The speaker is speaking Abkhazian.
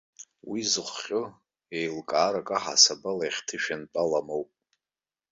Уи зыхҟьо, еилкаарак аҳасабала иахьҭышәынтәалам ауп.